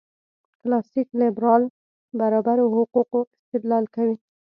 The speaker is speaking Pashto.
کلاسیک لېبرال برابرو حقوقو استدلال کوي.